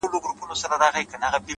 • چي تا خر بولي پخپله بې عقلان دي,